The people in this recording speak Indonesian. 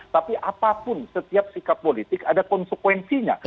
tapi apapun setiap sikap politik ada konsekuensinya